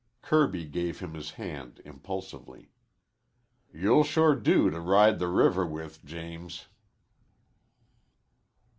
Kirby gave him his hand impulsively. "You'll sure do to ride the river with, James."